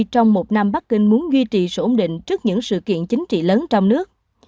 trong một năm bắc kinh muốn duy trì sự ổn định trước những sự kiện chính trị lớn trong nước